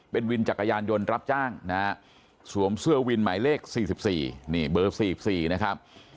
เป็นวินจักรยานยนต์รับจ้างนะฮะสวมเสื้อวินหมายเลข๔๔นี่เบอร์๔๔นะครับ